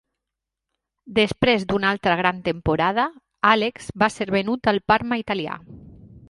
Després d'una altra gran temporada, Alex va ser venut al Parma italià.